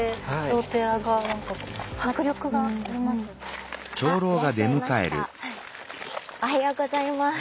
おはようございます。